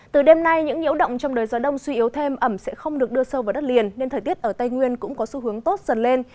từ đêm nay những nhiễu động trong đời gió đông suy yếu thêm ẩm sẽ không được đưa sâu vào đất liền nên thời tiết ở tây nguyên cũng có xu hướng tốt dần lên